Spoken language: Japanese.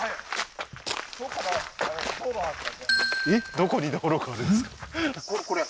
どこに道路があるんですか？